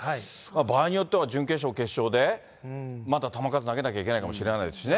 場合によっては準決勝、決勝で、また球数投げなきゃいけないかもしれないですしね。